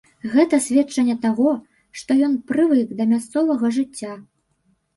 Гэта сведчанне таго, што ён прывык да мясцовага жыцця!